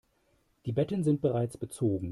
Die Betten sind bereits bezogen.